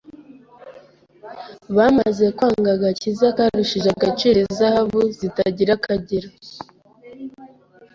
Bamaze kwanga agakiza karushije agaciro izahabu zitagira akagero